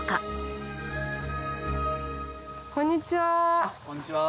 こんにちは。